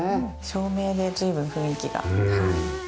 照明で随分雰囲気がはい。